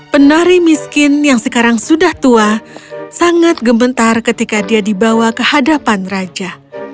penari miskin yang sekarang sudah tua sangat gementar ketika dia dibawa ke hadapan raja